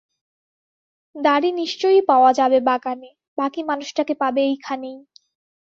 দাড়ি নিশ্চয়ই পাওয়া যাবে বাগানে, বাকি মানুষটাকে পাবে এইখানেই।